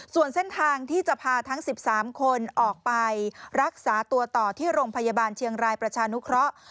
ส่วนเส้นทางที่จะพาทั้ง๑๓คนออกไปรักษาตัวต่อที่โรงพยาบาลเชียงรายประชานุเคราะห์